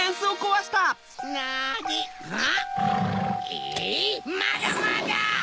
えいまだまだ！